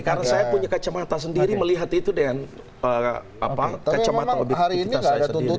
karena saya punya kacamata sendiri melihat itu dengan kacamata politik kita sendiri